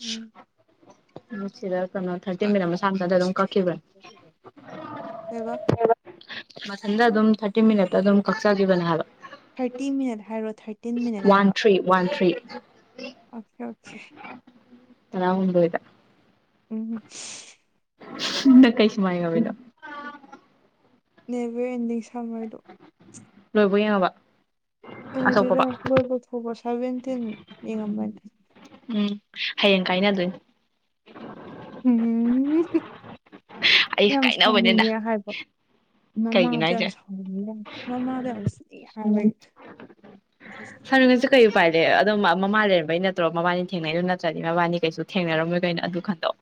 ꯎꯝ ꯁꯤꯗ ꯀꯩꯅꯣ thirty minute ꯃꯁꯥ ꯃꯊꯗ ꯑꯗꯨꯝ ꯀꯛꯈꯤꯕ꯭ꯔꯥ ꯇꯕ ꯃꯊꯟꯇ ꯑꯗꯨꯝ ꯊꯥꯔꯇꯤ ꯃꯤꯅꯤꯠꯇ ꯑꯗꯨꯝ ꯀꯛꯆꯈꯤꯕꯅꯦ ꯍꯥꯏꯕ ꯊꯥꯔꯇꯤ ꯃꯤꯅꯠ ꯍꯥꯏꯔꯣ thirty one three one three ꯍ ꯑꯆꯥ ꯑ ꯅꯥ ꯎꯗꯣꯏꯗ ꯎꯝ ꯅ ꯀꯩ ꯃꯥꯏꯒꯕꯤꯗ ꯅꯦꯕ ꯑꯦꯟꯗꯤ ꯁꯔꯣ ꯂꯣꯏꯕ ꯌꯥꯕ ꯑꯣꯏꯔꯔ ꯂꯣꯏ ꯀꯁ ꯁꯚꯦꯟꯇꯤꯟ ꯌꯦꯡꯉꯝꯕꯅꯤ ꯎꯝ ꯍꯌꯦꯡ ꯀꯥꯏꯅꯗꯣꯏꯅꯤ ꯎꯝ ꯑꯩ ꯌꯥꯝ ꯀꯥꯏꯅꯕꯅꯤꯅ ꯁꯥꯎꯅꯤꯡꯉꯦ ꯍꯥꯏꯕ ꯀꯩꯒꯤꯅꯣ ꯃꯃꯥꯗ ꯍꯥꯏꯁꯦ ꯌꯥꯝ ꯁꯥꯎꯅꯤꯡꯉꯦ ꯃꯃꯥꯗ ꯌꯥꯝ ꯍꯥꯟꯋꯥ ꯁꯥꯟꯨ ꯀꯁꯤ ꯀꯩ ꯄꯥꯏ ꯂꯩꯦ ꯑꯗꯨꯝ ꯃꯃꯥ ꯂꯩꯔꯝꯕꯩ ꯅꯠꯇ꯭ꯔꯣ ꯃꯕꯥꯅꯤ ꯊꯦꯡꯅꯩꯗꯨꯣ ꯅꯠꯇ꯭ꯔꯗꯤ ꯃꯕꯥꯅꯤ ꯀꯩꯁꯨ ꯊꯦꯡꯅꯔꯝꯃꯣꯏ ꯀꯩꯅꯣ ꯑꯗꯨ ꯈꯟꯗꯣꯛ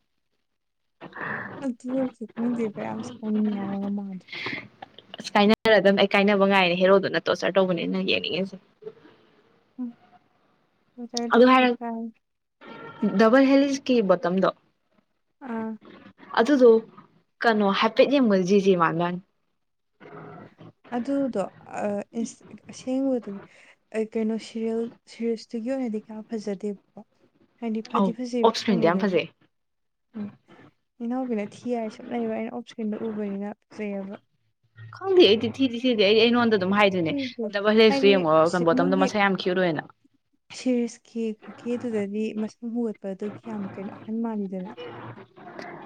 ꯑꯗꯨꯁꯨ ꯈꯪꯗꯦꯕꯌꯥꯝꯁꯨꯃꯤ ꯍꯥꯏꯥꯡ [inaudible] ꯑꯁ ꯀꯥꯏꯅꯔ ꯑꯗꯨꯝ ꯑꯩ ꯀꯥꯏꯅꯕ ꯉꯥꯏꯅꯦ ꯍꯦꯔꯣꯗꯨꯅ ꯇꯣꯆꯔ ꯇꯧꯕꯅꯤꯅ ꯌꯦꯡꯅꯤꯡꯉꯤꯁꯦ ꯎꯝ ꯃ ꯇꯥꯏ ꯇ ꯑꯗꯨ ꯍ ꯍꯥꯏꯔ ꯀꯥꯏ ꯗꯕꯜ ꯍꯦꯂꯤꯁꯀꯤ ꯕꯣꯇꯝꯗꯣ ꯑꯥ ꯑꯗꯨꯗꯣ ꯀꯩꯅꯣ ꯍꯥꯏꯐꯦꯠ ꯌꯦꯡ ꯃꯨꯜ ꯖꯤꯁꯤ ꯏꯃꯅꯕꯦꯟ ꯑꯗꯨꯗꯣ ꯑꯁꯦꯡꯕꯗꯗꯤ ꯀꯩꯅꯣ ꯁꯔꯤꯜ ꯁꯤꯔꯤꯁꯇꯨꯒꯤ ꯑꯣꯏꯅꯗꯤ ꯀꯌꯥ ꯐꯖꯗꯦꯕꯀꯣ ꯍꯥꯏꯗꯤ ꯑꯧ ꯐꯗꯤ ꯐꯖꯩꯕ ꯑꯣꯞꯁꯄ꯭ꯔꯤꯡꯗꯤ ꯌꯥꯝ ꯁꯦꯝꯦꯡꯕꯗꯗꯤ ꯐꯖꯩ ꯎꯝ ꯏꯅꯥꯎꯕꯤꯅ ꯊꯤ ꯌꯥꯏ ꯁꯛ ꯂꯩꯕ ꯑꯩꯅ ꯑꯣꯞꯁꯀ꯭ꯔꯤꯟꯗ ꯎꯕꯅꯤꯅ ꯐꯖꯩꯑꯕ ꯍ ꯊꯤꯔꯤ ꯊꯩꯅꯣꯟ ꯁꯤ ꯍꯦ ꯍꯥꯏꯗꯤ ꯕꯣꯇꯝꯗꯣ ꯃꯣꯏꯒꯤ ꯃꯁꯛ ꯌꯥꯝ ꯀ꯭ꯌꯨꯠ ꯑꯣꯏꯅ ꯁꯤꯔꯤꯁ ꯈꯦ ꯈꯦꯗꯨꯗꯗꯤ ꯃꯠ ꯑꯗꯨꯒꯤ ꯌꯥꯝ ꯀꯩꯅꯣ ꯑꯍꯟ ꯃꯥꯜꯂꯤ ꯗꯅ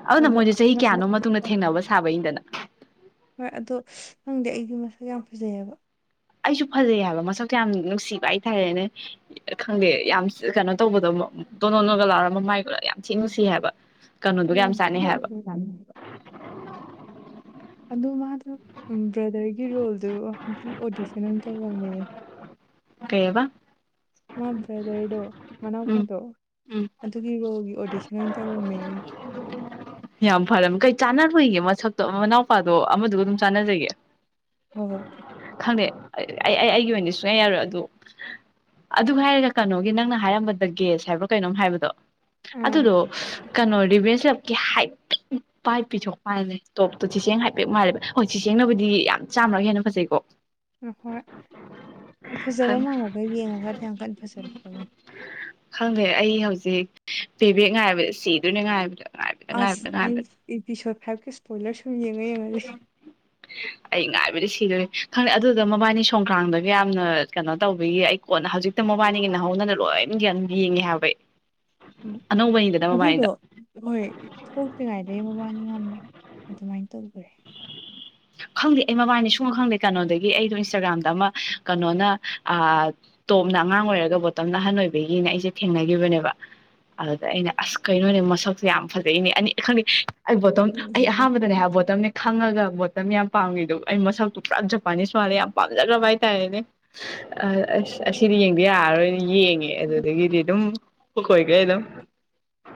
ꯑꯗꯨꯅ ꯃꯣꯏꯁꯦ ꯆꯍꯤ ꯀꯌꯥꯅꯣ ꯃꯇꯨꯡꯗ ꯊꯦꯡꯅꯕ ꯁꯥꯕꯩꯟꯗꯅ ꯍꯣꯏ ꯑꯗꯣ ꯈꯪꯗꯦ ꯑꯩꯒꯤ ꯃꯁꯛ ꯌꯥꯝ ꯐꯖꯩꯑꯕ ꯑꯩꯁꯨ ꯐꯖꯩ ꯍꯥꯏꯕ ꯃꯁꯛꯇꯣ ꯌꯥꯝ ꯅꯨꯡꯁꯤꯕ ꯑꯩ ꯊꯥꯏꯦꯅꯦ ꯈꯪꯗꯦ ꯌꯥꯝ ꯀꯩꯅꯣ ꯇꯧꯕꯗꯣ ꯗꯣꯅꯣꯟꯒ ꯂꯥꯎꯔ ꯃꯃꯥꯏꯒꯒ ꯌꯥꯝ ꯊꯤ ꯅꯨꯡꯁꯤ ꯍꯥꯏꯕ ꯀꯩꯅꯣꯗꯨꯒ ꯌꯥꯝ ꯆꯥꯅꯩ ꯍꯥꯏꯕ ꯑꯗꯣ ꯃꯥꯗꯣ ꯕ꯭ꯔꯗꯔꯒꯤ ꯔꯣꯜꯗꯣ ꯑꯣꯗꯤꯁꯟ ꯑꯣꯏꯅ ꯇꯧꯔꯝꯃꯦ ꯀꯩꯑꯕ ꯃꯥ ꯕ꯭ꯔꯗꯔꯗꯣ ꯎꯝ ꯃꯅꯥꯎꯄꯥꯗꯣ ꯎꯝ ꯑꯗꯨꯒꯤ ꯔꯣꯒꯤ ꯑꯣꯗꯤꯁꯟ ꯑꯣꯏꯅ ꯇꯧꯔꯝꯃꯦ ꯆꯥꯟꯅꯔꯨꯏꯒꯦ ꯃꯁꯛꯇꯣ ꯃꯅꯥꯎꯄꯥꯗꯣ ꯑꯃꯗꯨꯒ ꯑꯗꯨꯝ ꯆꯥꯟꯅꯖꯒꯦ ꯍ ꯍꯣ ꯈꯪꯗꯦ ꯑꯩ ꯑꯩ ꯑꯩꯒꯤ ꯑꯣꯏꯅꯗꯤ ꯁꯨꯡꯌꯥ ꯌꯥꯔꯣꯏ ꯑꯗ ꯑꯗꯨ ꯍꯥꯏꯔꯒ ꯀꯩꯅꯣꯒꯤ ꯅꯪꯅ ꯍꯥꯏꯔꯝꯕꯗ ꯒꯦꯁ ꯍꯥꯏꯕ꯭ꯔꯣ ꯀꯩꯅꯣꯝ ꯍꯥꯏꯕꯗꯣ ꯍꯣ ꯑꯗꯨꯗꯨ ꯀꯩꯅꯣꯔꯤꯦꯁ ꯍꯥꯏꯐꯦꯠ ꯄꯥꯏ ꯄꯤꯊꯣꯛ ꯃꯥꯜꯂꯦ ꯇꯣꯞꯇꯣ ꯆꯤꯁꯦꯡ ꯍꯥꯏꯐꯦꯠ ꯃꯥꯜꯂꯦꯕ ꯍꯣꯏ ꯆꯁꯦꯡꯅꯕꯨꯗꯤ ꯌꯥꯝ ꯆꯥꯝꯅꯒ ꯍꯦꯟꯅ ꯐꯖꯩꯀꯣ ꯑ ꯍꯣꯏ ꯐ ꯐꯖꯕ ꯃꯥꯡꯉꯒ ꯌꯦꯡꯉꯒꯗꯤꯌꯥ ꯀꯟ ꯐꯖꯔꯛꯇꯕꯅꯤ ꯈꯪꯗꯦ ꯑꯩ ꯍꯧꯖꯤꯛ ꯄꯦ ꯕꯦꯛ ꯉꯥꯏꯔꯕꯗ ꯁꯤꯗꯣꯏꯅꯦ ꯉꯥꯏꯕꯗ ꯉꯥꯏꯕꯗ ꯑꯁ ꯉꯥꯏꯕꯗ ꯉꯥꯏꯕꯗ ꯑꯩ ꯄꯁꯗ ꯍꯕꯀꯤ ꯏꯁꯄꯣꯏꯂꯔꯁꯨ ꯑꯩ ꯉꯥꯏꯕꯔꯤꯁꯤ ꯤꯗ ꯈꯪꯗꯦ ꯑꯗꯨꯗ ꯃꯕꯥꯅꯤ ꯁꯣꯡꯈ꯭ꯔꯥꯡꯗꯒ ꯌꯥꯝꯅ ꯀꯩꯅꯣ ꯇꯧꯕꯤꯌꯦ ꯑꯩ ꯀꯣꯟꯅ ꯍꯧꯖꯤꯛꯇ ꯃꯕꯥꯅꯤꯒꯤ ꯅꯍꯧꯅꯅ ꯂꯣꯏꯅ ꯌꯥꯝ ꯌꯦꯡꯉꯦ ꯍꯥꯏꯕꯩ ꯎꯝ ꯑꯗꯨꯗꯣ ꯍꯣꯏ ꯊꯣꯛꯇ꯭ꯔꯤꯉꯥꯏꯗꯩ ꯃꯕꯥꯅꯤ ꯌꯥꯝꯅ ꯑꯗꯨꯃꯥꯏꯅ ꯇꯧꯈ꯭ꯔꯦ ꯈꯪꯗꯦ ꯑꯩ ꯃꯕꯥꯅꯤ ꯁꯨꯝꯕ ꯈꯪꯗꯦ ꯀꯩꯅꯣꯗꯒꯤ ꯑꯩꯗꯣ ꯏꯟꯁꯇꯥꯒ꯭ꯔꯥꯝꯗ ꯑꯃ ꯀꯩꯅꯣꯅ ꯇꯣꯞꯅ ꯑꯉꯥꯡ ꯑꯣꯏꯔꯒ ꯕꯣꯇꯝꯅ ꯑꯍꯟ ꯑꯣꯏꯕꯒꯤꯅ ꯑꯩꯁꯦ ꯊꯦꯡꯅꯈꯤꯕꯅꯦꯕ ꯑꯗꯨꯗ ꯑꯩꯅ ꯑꯁ ꯀꯩꯅꯣꯅꯦ ꯃꯁꯛꯁꯦ ꯌꯥꯝ ꯐꯖꯩꯅꯦ ꯑꯅꯤ ꯈꯪꯗꯦ ꯑꯩ ꯕꯣꯇꯣꯝ ꯑꯩ ꯎꯝ. ꯑꯍꯥꯟꯕꯗꯅꯦ ꯍꯥꯏꯕ ꯕꯣꯇꯣꯝꯅꯦ ꯈꯪꯉꯒ ꯑꯗꯨ ꯌꯥꯝ ꯄꯥꯝꯃꯤꯗ ꯑꯩ ꯃꯁꯛꯇꯨ ꯄꯨꯔꯥ ꯖꯄꯥꯅꯤꯁ ꯃꯥꯜꯂꯦ ꯌꯥꯝ ꯄꯥꯝꯖꯈ꯭ꯔꯕ ꯍꯥꯏꯇꯥꯔꯦꯅꯦ ꯑꯁ ꯑꯁꯤꯗꯤ ꯌꯦꯡꯕ ꯌꯥꯔꯔꯣꯏꯅꯦ ꯌꯦꯡꯉꯦ ꯑꯗꯨꯗꯒꯤꯗꯤ ꯑꯗꯨꯝ ꯍꯈ ꯍꯣꯏꯒꯦ ꯏꯗ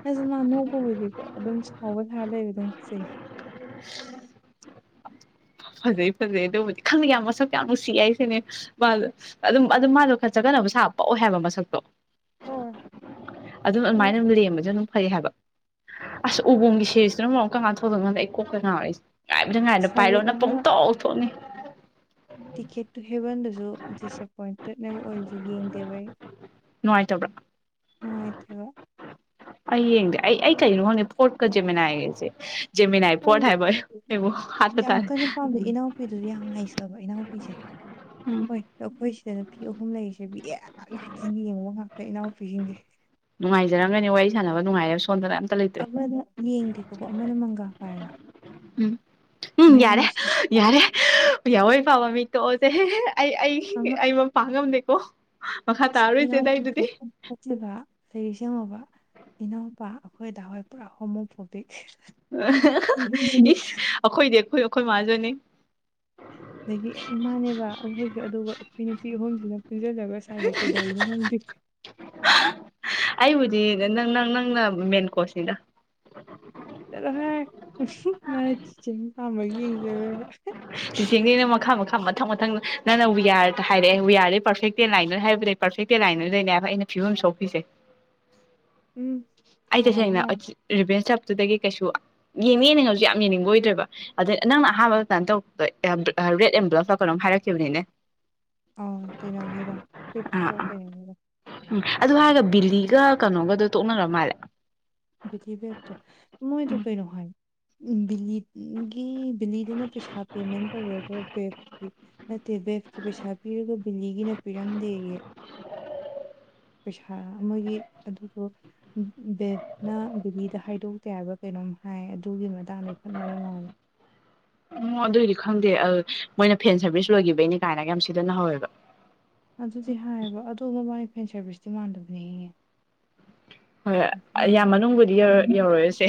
ꯑꯗꯨ ꯉꯅꯧꯕꯕꯨꯗꯤꯀꯣ ꯑꯗꯨꯝ ꯁꯥꯎꯕ ꯊꯔ ꯂꯩꯕ ꯑꯗꯨꯝꯁꯩ [unintelligible] ꯐꯖꯩ ꯐꯖꯩ ꯑꯗꯨꯕꯨꯗꯤ ꯈꯪꯗꯦ ꯌꯥꯝ ꯃꯁꯛ ꯌꯥꯝ ꯅꯨꯡꯁꯤ ꯍꯥꯏꯁꯤꯅꯦ ꯃꯥꯗꯣ ꯑꯗꯨꯝ ꯑꯗꯨ ꯃꯥꯗꯣ ꯈꯔ ꯆꯠꯒꯠꯅꯕ ꯁꯥꯕ ꯄꯛꯑꯣꯏ ꯍꯥꯏꯕ ꯃꯁꯛꯇꯣ ꯍꯣꯏ ꯑꯗꯨꯅ ꯎꯝ, ꯑꯗꯨꯃꯥꯏꯅ ꯑꯗꯨꯝ ꯂꯦꯝꯕꯁꯨ ꯑꯗꯨꯝ ꯐꯩ ꯍꯥꯏꯕ ꯑꯁ ꯎꯕꯣꯡꯒꯤ ꯁꯦꯔꯤꯁꯤꯇꯨꯅ ꯃꯔꯣꯝ ꯀꯔꯝ ꯀꯥꯟꯗ ꯊꯣꯛꯂꯛ ꯇꯣꯏꯅꯣ ꯈꯪꯗꯦ ꯑꯩ ꯀꯣꯛꯀ ꯉꯥꯎꯔꯦ ꯑꯩꯁꯦ ꯉꯥꯏꯕꯗ ꯉꯥꯏꯕꯗ ꯁꯖꯤꯛ ꯄꯥꯏꯂꯣꯠꯅ ꯄꯪꯊꯣꯛ ꯊꯣꯛꯅꯤ ꯇꯤꯛꯀꯦꯠꯇꯨ ꯍꯦꯕꯟꯗꯁꯨ ꯗꯤꯁꯑꯄꯣꯏꯟꯇꯦꯠꯅꯦꯕ ꯑꯣꯏꯁꯦ ꯌꯦꯡꯗꯦꯕ ꯑꯩ ꯅꯨꯡꯉꯥꯏꯇꯕ꯭ꯔꯥ ꯅꯨꯡꯉꯥꯏꯇꯦꯕ ꯑꯩ ꯌꯦꯡꯗꯦ ꯑꯩ ꯑꯩ ꯀꯩꯅꯣ ꯈꯪꯗꯦ ꯐꯣꯔꯠꯀ ꯖꯦ ꯃꯅꯥꯏꯒꯁꯦ ꯑꯩ ꯌꯥꯝ ꯇꯥꯔꯦ ꯀꯟꯅ ꯄꯥꯝꯖꯩ ꯏꯅꯥꯎꯄꯤꯗꯨꯗꯤ ꯌꯥꯝ ꯉꯥꯏꯖꯕ ꯏꯅꯥꯎꯄꯤꯁꯦ ꯎꯝ ꯍꯣꯏ ꯑꯩꯈꯣꯏꯁꯦ ꯁꯤꯗ ꯅꯨꯄꯤ ꯑꯍꯨꯝ ꯂꯩꯔꯤꯁꯦ ꯌꯥꯝ ꯉꯥꯛꯇ ꯌꯦꯡꯉꯨ ꯉꯥꯛꯇ ꯏꯅꯥꯎꯄꯤꯒꯤꯅꯤ ꯅꯨꯡꯉꯥꯏꯖꯔꯝꯒꯅꯤ ꯋꯥꯔꯤ ꯁꯥꯅꯕ ꯅꯨꯉꯥꯏꯔꯁꯨ ꯑꯃꯅ ꯌꯦꯡꯗꯦꯕꯀꯣ ꯑꯃꯅ ꯃꯪꯒ ꯄꯥꯏꯕ ꯎꯝ ꯎꯝ ꯌꯥꯔꯦ ꯃꯌꯥꯝꯕꯁꯨ ꯌꯥꯔꯦ ꯌꯥꯋꯣꯏ ꯄꯕꯥ ꯃꯤꯠꯇꯣꯛꯑꯁ‌ꯦ ꯑꯩ ꯑꯩ ꯑꯩ ꯃꯄꯥ ꯉꯝꯗꯦ ꯑꯣ ꯑ ꯏꯅꯥꯎꯄꯥꯁꯨ ꯆꯠꯈꯤꯕ ꯂꯩꯔꯤꯁꯦ ꯌꯦꯡꯉꯣꯕ ꯏꯅꯧꯄꯥ ꯑꯩꯈꯣꯏ ꯗꯥ ꯍꯣꯏ ꯄꯨꯔꯥ ꯍꯣꯃꯣꯐꯣꯕꯤꯛ ꯏꯁ ꯑꯩꯈꯣꯏꯗꯤ ꯑꯩꯈꯣꯏ ꯈ‌ꯣꯏ ꯃꯥꯖꯨꯅꯤ ꯑꯗꯒꯤ ꯃꯥꯅꯦꯕ ꯑꯩꯈꯣꯏꯁꯨ ꯑꯗꯨꯒ ꯑꯩꯈꯣꯏ ꯅꯨꯄꯤ ꯑꯍꯨꯝꯁꯤꯅ ꯄꯨꯟꯁꯤꯜꯂꯒ ꯁꯋꯥꯏꯗ ꯀꯩꯗꯧꯔꯤꯅꯣ ꯈꯪꯗꯦ ꯁꯤ ꯅꯪ ꯅꯪ ꯅꯪꯅ ꯃꯦꯟ ꯀꯣꯁꯅꯤꯗ ꯆꯣꯍꯦ ꯅꯨꯡꯁꯤ ꯃꯥꯅ ꯆꯤꯆꯦꯒꯤ ꯄꯥꯝꯕꯒꯤ ꯌꯦꯡꯖꯔꯒ ꯇꯦꯡꯗꯅ ꯃꯈꯥ ꯃꯈꯥ ꯃꯊꯪ ꯃꯊꯪ ꯅꯪꯅ ꯋꯤꯌꯥꯔ ꯍꯥꯏꯔꯛꯑꯦ ꯋꯤꯌꯥꯔꯗꯤ ꯄꯔꯐꯦꯛꯇꯦ ꯂꯥꯏꯟ ꯍꯥꯏꯕꯗ ꯄꯔꯐꯦꯛꯇꯦ ꯂꯥꯏꯟꯗ ꯂꯩꯅꯦ ꯍꯥꯏꯕ ꯑꯩꯅ ꯐꯤꯕꯝ ꯁꯣꯛꯄꯤꯁꯦ ꯎꯝ ꯑꯩ ꯌꯥꯔꯦ ꯇꯁꯦꯡꯅ ꯌꯥꯔꯦ ꯔꯤꯕꯦꯟꯁ ꯗꯨꯗꯒꯤ ꯀꯩꯁꯨ ꯃꯤ ꯃꯤꯅ ꯉꯝ ꯌꯥꯝ ꯌꯦꯡꯅꯤꯡꯕ ꯑꯣꯏꯗ꯭ꯔꯦꯕ ꯑꯗꯨ ꯅꯪꯅ ꯑꯍꯥꯟꯕ ꯀꯩꯅꯣ ꯇꯧꯕꯗꯣ ꯔꯦꯗ ꯑꯦꯟꯕꯦꯂꯞ ꯀꯩꯅꯣꯝ ꯍꯥꯏꯔꯛꯈꯤꯕꯅꯤꯅꯦ ꯑꯥꯎ ꯀꯩꯅꯣꯒꯤꯗꯣ ꯑꯥ ꯑꯥ ꯀꯩꯅꯣꯒꯤꯗꯣ ꯎꯝ ꯑꯗꯨ ꯍꯥꯏꯔꯒ ꯕꯤꯂꯤꯒ ꯀꯩꯅꯣꯒꯗꯣ ꯇꯣꯛꯅꯔ ꯃꯥꯜꯂꯦ ꯕꯤꯊꯤꯕꯦꯠ ꯇꯣ ꯃꯣꯏꯗꯨ ꯀꯩꯅꯣꯝ ꯍꯥꯏ ꯎ ꯕꯤꯂ ꯒꯤ ꯅꯤꯗꯅ ꯄꯩꯁꯥ ꯄꯦꯃꯦꯟ ꯇꯧꯔꯒ ꯕꯦꯞꯀꯤ ꯅꯠꯇꯦ ꯕ ꯄꯩꯁꯥ ꯄꯤꯔꯒ ꯕꯤꯂꯤꯒꯤꯅ ꯄꯤꯔꯝꯗꯦꯌꯦ ꯄꯩꯁꯥ ꯑꯃꯒꯤ ꯑꯗꯨꯗꯣ ꯕꯦ ꯅ ꯕꯦꯕꯤꯗ ꯍꯥꯏꯗꯣꯛꯇꯦ ꯍꯥꯏꯕ ꯀꯩꯅꯣꯝ ꯍꯥꯏ ꯑꯗꯨꯒꯤ ꯃꯇꯥꯡꯗ ꯈꯠꯅꯕ ꯃꯥꯜꯂꯤ ꯑꯣ ꯑꯗꯨꯏꯗꯤ ꯈꯪꯗꯦ ꯃꯣꯏꯅ ꯐꯦꯟ ꯁꯔꯚꯤꯁ ꯂꯣꯏꯈꯤꯕꯒꯤꯅꯤ ꯀꯥꯏꯅꯒ ꯌꯥꯝ ꯁꯤꯗ ꯍꯧꯋꯦꯕ ꯑꯗꯨꯗꯤ ꯍꯥꯏꯌꯦꯕ ꯑꯗꯣ ꯃꯃꯥꯏ ꯐꯦꯟ ꯁꯥꯔꯚꯤꯁꯇꯤ ꯃꯥꯟꯗꯕꯅꯦ ꯍꯦꯉꯦ ꯍꯣꯏ ꯌꯥꯝ ꯃꯅꯨꯡꯕꯨꯗꯤ ꯌꯧꯔꯣꯏꯁꯦ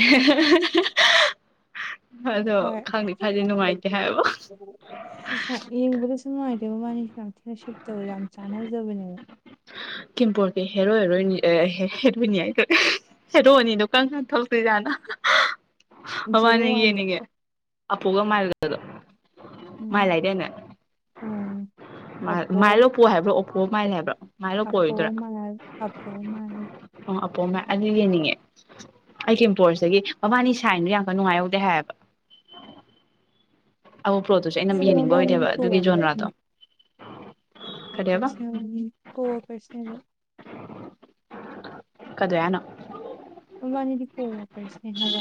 ꯑꯗꯣ ꯍꯣꯏ ꯈꯪꯗꯦ ꯈꯔꯗꯤ ꯅꯨꯡꯉꯥꯏꯇꯦ ꯍꯥꯏꯕ ꯍꯣꯏ ꯌꯦꯡꯕꯗꯁꯨ ꯅꯨꯡꯉꯥꯏꯇꯦꯕ ꯃꯥꯅꯤꯁꯨ ꯌꯥꯝꯊꯤꯅ ꯁꯤꯞ ꯇꯧ ꯌꯥꯝ ꯆꯥꯟꯅꯖꯕꯅꯦ ꯀꯝꯄꯣꯔ ꯀꯦ ꯍꯦꯔꯣ ꯍꯦꯔꯣꯏꯅꯤ ꯑ ꯍꯦꯔꯣꯏꯅꯤ ꯍꯥꯏꯒꯦ ꯇꯧ ꯑ ꯍꯦꯔꯣ ꯑꯅꯤ ꯗꯣ ꯀꯥꯔꯝ ꯀꯥꯟ ꯊꯣꯛ ꯂꯛ ꯇꯣꯏ ꯖꯠꯅꯤ ꯑ ꯖꯤꯔꯣ ꯃꯕꯥꯅꯤ ꯋꯥꯟꯗ ꯌꯦꯡꯅꯤꯡꯉꯦ ꯑꯄꯨ ꯒꯥ ꯃꯥꯜ ꯒ ꯍꯗꯣ ꯎꯝ ꯃꯥꯏ ꯂꯩꯥꯏꯗꯦꯅꯦ ꯃꯥꯏ ꯂꯣꯞꯄꯣ ꯍꯥꯏꯕ꯭ꯔꯣ ꯑꯣꯄꯣ ꯃꯥꯏ ꯂꯩ ꯍꯥꯏꯕ꯭ꯔꯣ ꯃꯥꯏ ꯂꯣ ꯄꯣ ꯃꯥ ꯑꯄꯣ ꯃꯥ ꯑꯄꯣꯝꯝꯕ ꯑꯗꯨ ꯌꯦꯡꯅꯤꯡꯉꯦ ꯑꯩ ꯀꯦꯝꯄꯣꯔꯁꯤꯒꯤ ꯃꯕꯥꯅꯤ ꯁꯥꯏꯟꯗ ꯌꯥꯝ ꯀꯟ ꯅꯨꯡꯉꯥꯏꯌꯥꯎꯗꯦ ꯍꯥꯏꯌꯦꯕ ꯑꯃꯥ ꯄꯂꯣꯠ ꯇꯨ ꯁꯨ ꯑꯩꯅ ꯌꯦꯡꯅꯤꯡꯕ ꯑꯣꯏꯗꯦꯕ ꯋꯥꯔꯤꯅꯤꯀꯣ ꯑꯗꯨꯒꯤ ꯖꯅꯔꯥꯗꯣ ꯋꯥ ꯄꯔꯁꯅꯦ ꯀꯣ ꯋꯥꯀꯥꯔꯁꯅꯦꯕ ꯀꯗꯣ ꯌꯥꯅꯣ ꯃꯕꯅꯤꯗꯤ ꯀꯣ ꯋꯥꯀꯔꯁ ꯅꯤ ꯍꯥꯏꯕꯥ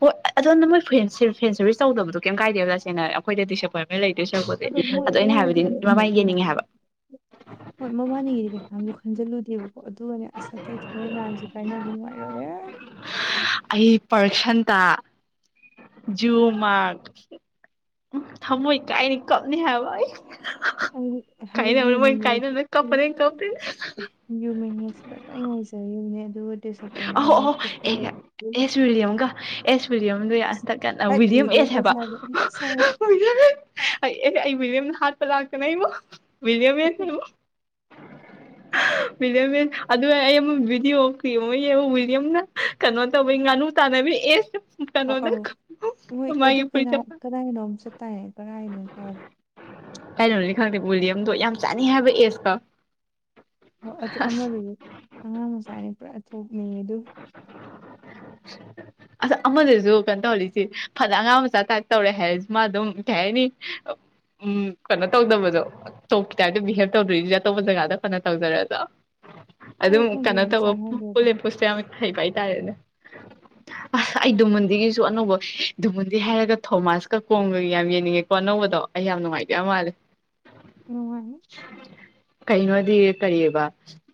ꯍꯣꯏ ꯑꯗꯣ ꯅ ꯃꯣꯏ ꯐ ꯐꯦꯟ ꯁꯔꯔꯤꯁꯁ ꯇꯧꯗꯕꯗꯣ ꯀꯩꯝ ꯀꯥꯏꯗꯦꯕꯥ ꯇꯥꯁꯦꯅ ꯍꯥꯏꯗ ꯑꯩꯈꯣꯏꯗꯤ ꯁꯀꯣꯏꯕ ꯂꯩ ꯑꯗꯨꯏ ꯃꯣꯏ ꯃꯣꯏꯗꯤ ꯌꯦꯡꯅꯤꯡꯉꯦ ꯍꯥꯏꯕ [unintelligible] ꯍꯣꯏ ꯃꯕꯥꯅꯤꯒꯤꯗꯤ ꯀꯩꯀꯥꯁꯨ ꯈꯟꯖꯤꯜꯂꯨꯗꯦꯕ ꯑꯣ ꯑꯗꯨꯒꯅꯦ ꯑꯁ ꯑꯇꯩ ꯊꯣꯛ ꯂꯛꯏ ꯃꯌꯥꯝꯁꯦ ꯀꯥꯏꯅꯗꯤ ꯅꯨꯡꯉꯥꯏꯔꯣꯏꯍꯦ ꯄꯔꯁꯟꯇꯥ ꯖꯨ ꯃꯥꯔ ꯊꯃꯣꯏ ꯀꯥꯏꯅꯤ ꯀꯞꯅꯤ ꯍꯥꯏꯕ ꯑꯩ ꯍꯧꯖꯤꯛ ꯀꯥꯏꯅꯕꯅꯤ ꯃꯣꯏ ꯌꯨꯅꯤ ꯀꯥꯏꯅꯕꯅ ꯀꯞꯄꯅꯦ ꯀꯞꯄꯅꯦ ꯌꯨꯃꯤꯅꯤꯌꯥꯁꯤꯔ ꯑꯩ ꯉꯥꯏꯖꯔꯤꯕ ꯅꯦ ꯑꯍꯣ ꯑꯍꯣ ꯑꯦ ꯑꯦꯁ ꯋꯤꯂꯤꯌꯝꯒ ꯑꯦꯁ ꯋꯤꯂꯤꯌꯝꯗꯨꯣ ꯍꯟꯇꯛ ꯀꯟꯅ ꯋꯤꯂꯤꯌꯝ ꯑꯦꯁ ꯍꯥꯏꯕ ꯑꯩ ꯋꯤꯂꯤꯌꯝ ꯍꯥꯠꯄ ꯇꯥꯅꯥ ꯑꯩꯕꯨ ꯋꯤꯜꯂꯝ ꯁꯦꯁ ꯇꯣ ꯂꯃꯤꯟ ꯑꯗꯨ ꯑꯩ ꯑꯃꯨꯛ ꯕꯤꯗꯤꯑꯣ ꯌꯦꯡꯃꯣ ꯌꯦꯡꯕ ꯋꯤꯂꯤꯌꯝꯅ ꯀꯩꯅꯣ ꯇꯧꯕꯩ ꯉꯥꯅꯨ ꯇꯥꯟꯅꯕꯤ ꯑꯦꯁ ꯑ ꯀꯩꯅꯣꯗ ꯑꯧ ꯍꯣꯏ ꯑꯗꯨ ꯃꯥꯒꯤ ꯀꯩꯅ ꯐꯨꯔꯤꯠꯇ ꯀꯗꯥꯏ ꯀꯅꯣꯝ ꯆꯠ ꯇꯥꯏ ꯀꯗꯥꯥꯏꯅꯣ ꯇꯒꯦ ꯀꯩꯅꯣꯅꯤ ꯈꯪꯗꯦ ꯕꯣꯂꯤꯌꯝꯗꯣ ꯌꯥꯝ ꯆꯥꯅꯤ ꯍꯥꯏꯕ ꯑꯦꯖꯀ ꯍ ꯑꯗꯨ ꯑꯃꯗꯨꯗꯤ ꯑꯉꯥꯡ ꯃꯆꯥꯅꯤ ꯄꯨ ꯌꯦꯉꯗꯨ ꯑꯗ ꯑꯃꯗꯁꯨ ꯀꯩꯅꯣ ꯇꯧꯍꯜꯂꯤꯁꯤ ꯐꯅ ꯑꯉꯥꯡ ꯃꯆꯥ ꯇꯥꯏꯞ ꯇꯧꯔꯦ ꯍꯥꯏꯔꯁꯤ ꯃꯥ ꯑꯗꯨꯝ ꯀꯩ ꯍꯥꯏꯅꯤ ꯎ ꯀꯩꯅꯣ ꯇꯧꯗꯕꯗꯣ ꯑꯇꯣꯞ ꯇꯥꯏꯞꯇ ꯕꯤꯍꯦꯕ ꯇꯧꯗꯣꯔꯤꯁꯤꯗꯤ ꯑꯇꯣꯞꯄ ꯖꯒꯥꯗ ꯐꯅ ꯇꯧꯖꯔꯗ ꯑꯩ ꯑꯗꯨꯝ ꯈꯪꯗꯦ ꯀꯩꯅꯣ ꯌꯥꯝ ꯇꯧꯕ ꯆꯥꯟꯅꯒ꯭ꯔꯦꯗ ꯍꯩꯕ ꯍꯥꯏꯇꯥꯔꯦꯅꯦ ꯑꯁ ꯑꯩ ꯗꯨꯃꯨꯟꯗꯤꯒꯤꯁꯨ ꯑꯅꯧꯕ ꯗꯨꯃꯨꯟꯗꯤ ꯍꯥꯏꯔꯒ ꯊꯣꯃꯥꯁꯀ ꯀꯣꯡꯒ ꯌꯥꯝ ꯌꯦꯡꯅꯤꯡꯉꯦꯀꯣ ꯑꯅꯧꯕꯗꯣ ꯑꯩ ꯌꯥꯝ ꯅꯨꯡꯉꯥꯏꯇꯕ ꯃꯥꯜꯂꯦ ꯎꯅꯤ ꯀꯩꯅꯣꯗꯤ ꯀꯔꯤꯑꯕ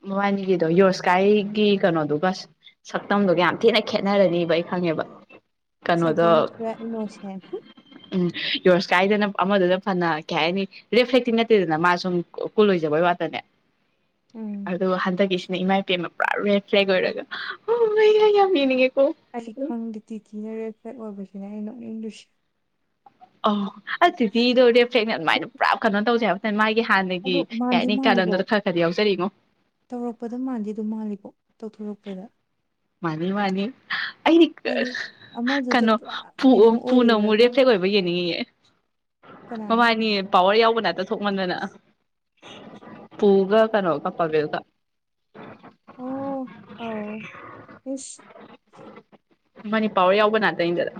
ꯃꯕꯥꯅꯤꯒꯤꯗꯣ ꯌꯣꯁꯀꯥꯏꯒꯤ ꯀꯩꯅꯣꯗꯨ ꯕꯁ ꯁꯛꯇꯝꯗꯒ ꯌꯥꯝ ꯊꯤꯅ ꯈꯦꯠꯅꯔꯅꯤꯕ ꯑꯩ ꯈꯪꯉꯦꯕ ꯁꯇ ꯀꯩꯅꯣꯗꯣ ꯁ ꯏꯅꯣꯁꯦ ꯌꯔꯁꯀꯥꯏꯗꯅ ꯑꯃꯗꯨꯅ ꯐꯅ ꯀꯩ ꯍꯥꯏꯅꯤ ꯦꯐ꯭ꯂꯦꯛꯇꯤꯡ ꯅꯠꯇꯦꯗꯅ ꯃꯥ ꯁꯨꯝ ꯀꯨꯜ ꯂꯣꯏꯖꯕꯒꯤ ꯋꯥꯇꯅꯦ ꯎꯝ ꯑꯣ ꯍꯗꯒꯦ ꯏꯥꯏ ꯏ ꯄꯦꯝ ꯑꯃ ꯄꯨꯔꯥ ꯔꯦ ꯐ꯭ꯂꯦꯛ ꯑꯣꯏꯔꯦ ꯍ ꯃ ꯌꯥꯝꯃꯤꯅꯤꯉꯦ ꯀ ꯐꯪꯒꯤꯤ ꯀꯤꯅꯔꯦꯦ ꯑꯗꯨꯅ ꯑꯩꯅ ꯅꯣꯛꯅꯤꯡꯗꯨꯨꯁꯤ ꯑ ꯑꯁ ꯑꯗꯨꯗꯤꯤꯗꯧꯔꯦ ꯐ꯭ꯂꯦꯛꯅ ꯑꯗꯨꯃꯥꯏꯅ ꯄꯨꯔꯥ ꯀꯟꯅꯣ ꯇꯧꯖꯦꯕ ꯃꯥꯥꯏ ꯍꯥꯟꯅꯒꯤ ꯑꯗꯣ ꯃꯥꯟꯗꯤ ꯌꯥꯩꯅꯤ ꯃꯥꯜꯂꯤꯀꯣ ꯀꯥꯟꯂꯝꯗꯨꯗ ꯈꯔ ꯈꯔꯗꯤ ꯌꯥꯎꯖꯔꯤꯉꯣ ꯇꯧꯔꯛꯄꯗ ꯃꯥꯟꯗꯤ ꯑꯗꯨꯝ ꯃꯥꯜꯂꯤꯀꯣ ꯇꯧꯊꯣꯔꯛꯄꯗ ꯃꯥꯅꯤ ꯃꯥꯅꯤ ꯑꯩꯗꯤ ꯍꯥꯏꯗꯤ ꯑꯃꯗꯨꯗ ꯀꯩꯅꯣ ꯄꯨꯔꯥ ꯀꯩꯅꯣ ꯄꯨꯅ ꯑꯃꯨꯛ ꯑꯣꯏꯔꯨꯔꯒ ꯔꯦꯐ꯭ꯂꯦꯛ ꯑꯣꯏꯕ ꯌꯦꯡꯅꯤꯡꯉꯤꯑ [inaudible] ꯀꯅꯥꯅ ꯃꯃꯕꯥꯅꯤ ꯄꯋꯥꯔ ꯌꯥꯎ ꯄꯨꯅꯥꯛꯇ ꯊꯣꯛꯃꯟꯗꯅ ꯄꯨꯒ ꯀꯩꯅꯣꯒ ꯄꯥꯕꯦꯜꯒ ꯑꯣ ꯑꯧ [inaudible] ꯏꯁ ꯃꯅꯤ ꯄꯔ ꯌꯥꯎꯕ ꯅꯥꯗꯗꯗ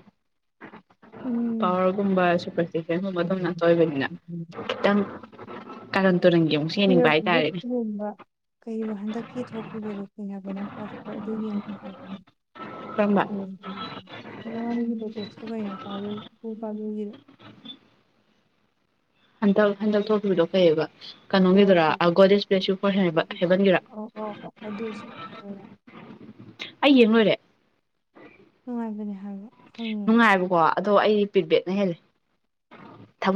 ꯎꯝ ꯄꯋꯥꯔꯒꯨꯝꯕ ꯁꯨꯄ꯭ꯔꯁꯤꯖꯟꯒꯨꯝꯕ ꯑꯗꯨꯝ ꯉꯥꯛꯇ ꯑꯣꯏꯕꯅꯤꯅ ꯈꯤꯇꯪ ꯀꯟ ꯨꯠꯒꯨꯝꯕ ꯀꯩ ꯍꯟꯗꯛꯀꯤ ꯊꯣꯛꯈꯤꯕꯗꯣ ꯀꯩ ꯍꯥꯏꯕꯅꯣ ꯄꯥꯎ ꯑꯗꯨ ꯌꯦꯡꯒꯅꯤ ꯀꯔꯝꯕ ꯃꯃꯅꯤꯒꯤ ꯂꯩꯦꯇꯦꯠꯁꯨ ꯀꯩꯅꯣꯥ [unintelligible] ꯍꯟꯗꯛ ꯍꯟꯗꯛ ꯊꯣꯛꯈꯤꯕꯗꯣ ꯀꯪꯑꯕ ꯐ ꯐꯣꯔ ꯍꯦꯕꯟꯒꯤꯔꯥ ꯑꯣ ꯑꯣ ꯍꯣ ꯑꯗꯨꯁꯨ ꯑꯩ ꯌꯦꯡ ꯂꯣꯏꯔꯦ ꯅꯨꯡꯉꯥꯏꯕꯅꯦ ꯍꯥꯏꯕ [unintelligible] ꯈꯪꯉꯦ ꯑꯗꯣ ꯑꯩꯗꯤ ꯄꯤꯠꯕꯦꯛꯅ ꯍꯦꯜꯂꯤ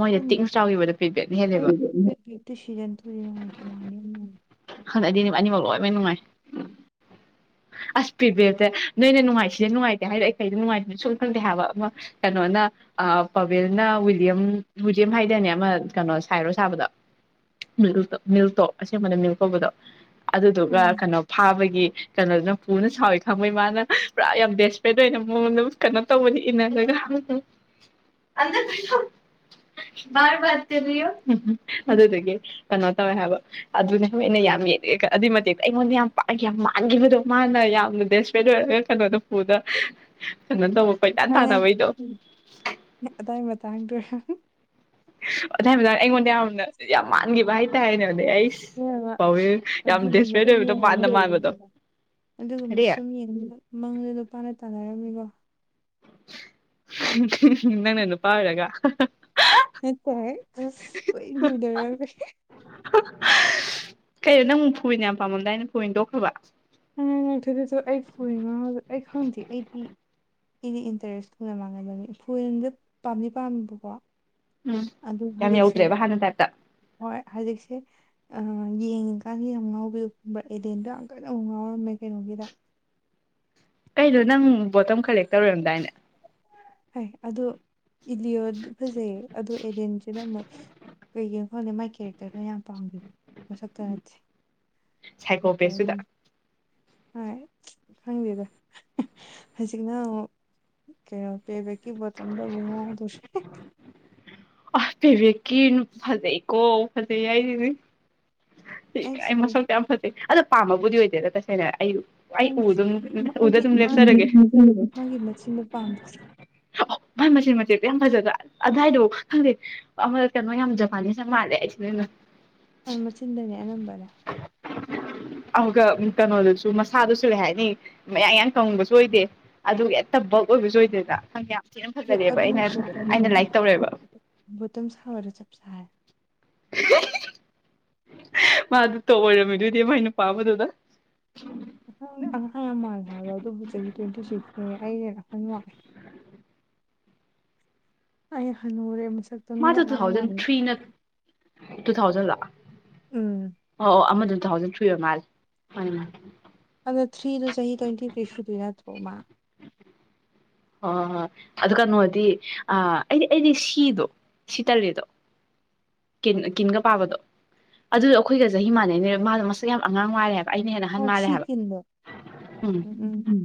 ꯈꯪꯗꯦ ꯑꯩꯗꯤ ꯄꯤꯠꯕꯦꯛ ꯁꯤꯖꯟ ꯇꯨꯗꯤ ꯅꯨꯡꯉꯥꯏꯇꯦ ꯋꯥꯟꯗꯤ ꯅꯨꯡꯉꯥꯏ ꯍꯟꯗꯛꯗꯤ ꯑꯅꯤꯃꯛ ꯂꯣꯏꯃꯛ ꯅꯨꯡꯉꯥꯏ ꯑꯁ ꯄꯤꯠꯕꯦꯛꯇ ꯅꯣꯏꯅ ꯅꯨꯡꯉꯥꯏ ꯁꯤꯗ ꯅꯨꯡꯉꯥꯏꯇꯦ ꯍꯥꯏꯕꯣ ꯑꯩ ꯀꯩꯗ ꯅꯨꯡꯉꯥꯏꯇꯦ ꯁꯨꯝ ꯈꯪꯗꯦ ꯍꯥꯏꯕ ꯑꯃ ꯀꯩꯅꯣꯅ ꯄꯥꯕꯦꯜꯅ ꯋꯤꯌꯝ ꯋꯤꯂꯤꯌꯝ ꯍꯥꯏꯗꯅꯦ ꯑꯃ ꯀꯩꯅꯣ ꯁꯥꯏꯔꯣ ꯁꯥꯕꯗꯣ ꯃꯤꯜ ꯃꯤꯜꯇꯣ ꯑꯁꯦꯡꯕꯅ ꯃꯤꯜ ꯇꯧꯕꯗꯣ ꯑꯗꯨꯗꯨꯒ ꯀꯩꯅꯣ ꯐꯥꯕꯒꯤ ꯀꯩꯅꯣꯗꯨ ꯄꯨꯅ ꯁꯥꯎꯋꯤ ꯈꯪꯕꯩ ꯃꯥꯅ ꯄꯨꯔꯥ ꯌꯥꯝ ꯗꯦꯁꯄ꯭ꯔꯦꯠ ꯑꯣꯏꯅ ꯃꯉꯣꯟꯗ ꯀꯩꯅꯣ ꯇꯧꯕꯅꯤ ꯏꯟꯅꯔꯒ ꯑꯗꯨꯗꯒꯤ ꯀꯩꯅꯣ ꯇꯧꯋꯦ ꯍꯥꯏꯕ ꯑꯗꯨꯅꯦ ꯍ ꯑꯩꯅ ꯌꯥꯝ ꯌꯦꯡꯉꯦ ꯑꯗꯨꯏ ꯃꯇꯦꯛꯇ ꯑꯩꯉꯣꯟꯗ ꯌꯥꯝ ꯄꯥꯛ ꯌꯥꯝ ꯄꯥꯟꯈꯤꯕꯗꯣ ꯃꯥꯅ ꯌꯥꯝꯅ ꯕꯦꯁꯄꯦꯠ ꯑꯣꯏꯔꯒ ꯀꯩꯅꯣꯗ ꯄꯨꯗ ꯀꯩꯅꯣ ꯇꯧꯕ ꯀꯣꯏꯇꯥꯟ ꯇꯥꯟꯅꯕꯩꯗꯣ ꯇꯪꯉꯦ ꯑꯗꯥꯏ ꯃꯇꯥꯡꯗꯨ ꯑꯗꯨꯏ ꯃꯇꯗꯥ ꯑꯩꯉꯣꯟꯗ ꯌꯥꯝꯅ ꯌꯥꯝ ꯃꯥꯟꯈꯤꯕ ꯍꯥꯏꯇꯥꯔꯦꯅꯦ ꯑꯗꯩ ꯑꯩꯁ [unintelligible] ꯄꯥꯎꯋꯦ ꯌꯥꯝ ꯑꯗꯨꯒꯨꯝꯕ ꯗꯦꯁꯄ꯭ꯔꯦꯠ ꯁꯨꯝ ꯑꯣꯏꯕꯗꯣ ꯌꯦꯡꯉꯒ ꯃꯥꯟꯗ ꯃꯥꯟꯕꯗꯣ ꯑꯗꯨꯒꯨꯝꯕ ꯀꯔꯤ ꯁꯨꯝ ꯌꯦꯡ ꯃꯪꯗꯨ ꯅꯨꯄꯥꯅ ꯇꯥꯟꯅꯔꯝꯃꯤꯀꯣ ꯅꯪꯅ ꯅꯨꯄꯥ ꯑꯣꯏꯔꯒ ꯅꯠꯇꯦꯍꯦ ꯀꯣꯏꯏꯟ ꯏꯟꯅꯔꯝꯃꯤ ꯀꯩꯅꯣ ꯅꯪ ꯐꯨꯏꯅ ꯌꯥꯝ ꯄꯥꯝꯃꯝꯗꯥꯏꯅ ꯐꯨꯏ ꯇꯣꯛꯈ꯭ꯔꯕ ꯑꯉꯥꯏ ꯉꯛꯇꯣꯏꯗꯁꯨ ꯑꯩ ꯐꯣꯟ ꯉ ꯑꯩ ꯈꯪꯗꯦ ꯑꯩꯗꯤ ꯑꯗꯤ ꯏꯟꯇꯔꯦꯁ ꯐꯨꯅ ꯃꯥꯡꯕꯅꯤ ꯐꯣꯟꯗ ꯄꯥꯝꯗꯤ ꯄꯥꯝꯃꯦꯕꯀꯣ ꯎꯝ ꯑꯗꯨ ꯌꯥꯝ ꯍꯧꯖꯤꯛꯁꯦ ꯌꯧꯗ꯭ꯔꯦꯕ ꯍꯥꯟꯅꯩ ꯇꯥꯏꯞꯇ ꯍꯣꯏ ꯍꯧꯖꯤꯛꯁꯦ ꯑ ꯌꯦꯡꯉꯤꯀꯥꯟꯗ ꯌꯥꯝ ꯉꯥꯎꯕꯤꯌꯨ ꯕ ꯑꯦꯗꯦꯟꯗꯣ ꯌꯥꯝ ꯀꯟꯅ ꯑꯃꯨꯛ ꯉꯥꯎꯔꯝꯃꯦ ꯀꯩꯅꯣꯒꯤꯗ ꯑꯩꯗꯣ ꯅꯪ ꯕꯣꯇꯜ ꯀꯂꯦꯛ ꯇꯧꯔꯔꯝꯗꯥꯏꯅꯦ ꯍꯣꯏ ꯑꯗꯣ ꯏꯂꯤꯌꯣꯗꯤ ꯐꯖꯩꯌꯦ ꯑꯗꯣ ꯑꯦꯗꯤꯟꯁꯤꯅ ꯑꯃꯨꯛ ꯀꯩꯒꯤꯅꯣ ꯈꯪꯂꯦ ꯃꯥꯏ ꯀꯦꯔꯦꯛꯇꯔꯗꯣ ꯌꯥꯝ ꯄꯥꯝꯒꯤꯝ ꯃꯁꯛꯇ ꯅꯠꯇꯦ ꯁꯥꯏꯀꯣ ꯀꯦꯔꯦꯛꯇꯔ ꯄꯦꯖꯇꯨꯗ ꯍꯣꯏ ꯈꯪꯗꯦꯗ ꯍꯧꯖꯤꯛꯅ ꯑꯃꯨꯛ ꯀꯩꯅꯣ ꯄꯦꯕꯦꯛꯀꯤ ꯕꯦꯇꯝꯗ ꯑꯃꯨꯛ ꯉꯥꯎꯗꯧꯔꯦ ꯑ ꯄꯦꯕꯦꯛꯀꯤ ꯐꯖꯩ ꯀꯣ ꯐꯖꯩ ꯍꯥꯏꯁꯤꯅꯤ ꯑꯩ ꯃꯁꯛꯇꯨ ꯌꯥꯝ ꯐꯖꯩ ꯑꯗꯨ ꯄꯥꯝꯃꯕꯨꯗꯤ ꯑꯣꯏꯗꯦꯗ ꯇꯁꯦꯡꯅ ꯑꯩ ꯑꯩ ꯎ ꯑꯗꯨꯝ ꯎ ꯎꯗ ꯑꯩꯗꯤ ꯑꯗꯨꯝ ꯂꯦꯞꯆꯔꯒꯦ [unintelligible] ꯃꯥꯒꯤ ꯃꯆꯤꯟꯗꯣ ꯄꯥꯝꯕ ꯑꯣ ꯃꯥꯏ ꯃꯆꯦꯟ ꯃꯆꯦꯠꯇꯣ ꯌꯥꯝ ꯐꯖꯗ꯭ꯔ ꯑꯗꯨꯋꯥꯏꯗꯕꯨ ꯈꯪꯗꯦ ꯑꯃ ꯀꯩꯅꯣ ꯌꯥꯝ ꯖꯄꯥꯟꯅꯤꯁ ꯌꯥꯝ ꯃꯥꯜꯂꯦ ꯑꯩꯁꯦ ꯅꯣꯏꯅ ꯃꯆꯤꯟꯗꯅꯦ ꯑꯅꯝꯕꯅ ꯑꯗꯨꯒ ꯀꯩꯅꯣꯗꯨꯁꯨ ꯃꯁꯥꯗꯨꯁꯨ ꯀꯩ ꯍꯥꯏꯅꯤ ꯃꯌꯥ ꯌꯥ ꯀꯪꯕꯁꯨ ꯑꯣꯏꯗꯦ ꯑꯗꯨꯒ ꯍꯦꯛꯇ ꯕꯜꯛ ꯑꯣꯏꯕꯁꯨ ꯑꯣꯏꯗꯦꯗ [unintelligible] ꯑꯗꯨ ꯑꯩꯅ ꯑꯩꯅ ꯂꯥꯏꯛ ꯇꯧꯔꯦꯕ ꯕꯣꯇ ꯁꯥꯕꯗ ꯆꯞ ꯆ ꯍꯥꯏ [unintelligible] ꯃꯥꯗꯨ ꯇꯣ ꯑꯣꯏꯔꯝꯃꯤꯗꯨꯏꯗꯤ ꯃꯥꯏ ꯅꯨꯄꯥ ꯑꯃꯗꯨꯗ ꯑꯉꯥꯡ ꯌꯥꯝ ꯃꯥꯜꯂꯦ ꯍꯥꯏꯕꯣ ꯑꯣ ꯆꯍꯤ ꯇ꯭ꯋꯦꯟꯇꯤ ꯁꯤꯛꯁꯅꯦꯦ ꯑꯩ ꯍꯦꯟꯅꯈ ꯃꯉꯦ ꯑꯩ ꯍꯅꯨꯔꯦ ꯃꯥꯗꯣ ꯇꯨꯊꯥꯎꯖꯟ ꯊ꯭ꯔꯤ ꯅꯠꯇ꯭ꯔꯣ ꯇꯨꯊꯥꯎꯖꯟ ꯂꯣ ꯎꯝ ꯑꯣ ꯑꯃꯗꯨ ꯊꯨ ꯊꯥꯎꯖꯟ ꯊ꯭ꯔꯤ ꯑꯣꯏ ꯃꯜꯂꯦ ꯃꯅꯦ ꯃꯅꯦ ꯑꯗꯨꯗ ꯊ꯭ꯔꯤꯗꯨ ꯆꯍꯤ ꯇ꯭ꯋꯦꯟꯇꯤ ꯊ꯭ꯔꯤ ꯁꯨꯗꯣꯏ ꯅꯠꯇ꯭ꯔꯣ ꯃꯥ ꯑꯣ ꯑꯗꯨ ꯀꯩꯅꯣꯗꯤ ꯑ ꯑꯩꯗꯤ ꯑꯩꯗꯤ ꯁꯤꯗꯣ ꯁꯤ ꯇꯜꯂꯤꯗꯣ ꯀꯤꯟꯒ ꯄꯥꯕꯗꯣ ꯑꯗꯨꯗ ꯑꯩꯈꯣꯏꯒ ꯆꯍꯤ ꯃꯥꯟꯅꯩꯅꯦ ꯃꯥꯗꯣ ꯃꯁꯛ ꯌꯥꯝ ꯑꯉꯥꯡ ꯃꯥꯜꯂꯦ ꯍꯥꯏꯕ ꯑꯩꯅ ꯍꯦꯟꯅꯍꯟ ꯑꯣ ꯃꯥꯜꯂꯦ ꯁꯤ ꯍꯥꯏꯕ ꯀꯤꯟꯗꯣ ꯎꯝ